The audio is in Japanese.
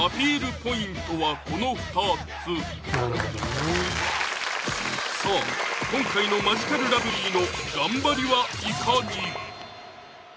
ポイントはこの２つさあ今回の「マヂカルラブリー」の頑張りはいかに？